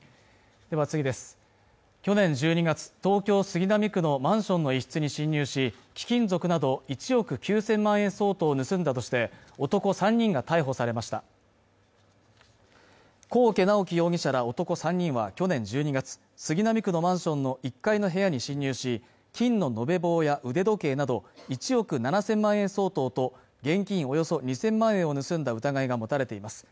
去年１２月東京・杉並区のマンションの一室に侵入し貴金属など１億９０００万円相当を盗んだとして男３人が逮捕されました幸家直樹容疑者ら男３人は去年１２月杉並区のマンションの１階の部屋に侵入し金の延べ棒や腕時計など１億７０００万円相当と現金およそ２０００万円を盗んだ疑いが持たれています